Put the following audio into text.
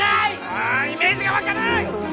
あイメージがわかない！